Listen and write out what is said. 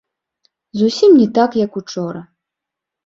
Зусім не так, як учора.